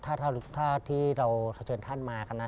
ถ้าเท่าที่เราเชิญท่านมากันนะ